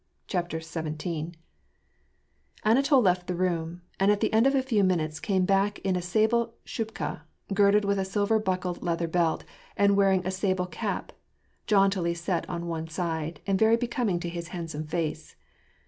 873 CHAPTER XVIL Anatol left the room, and at the end of a few minutes came back in a sable shubka, girdled with a silver buckled leather belt, and wearing a sable cap, jauntily set on one side, and very becoming to his handsome face.